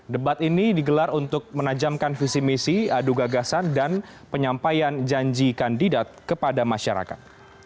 debat ini digelar untuk menajamkan visi misi adu gagasan dan penyampaian janji kandidat kepada masyarakat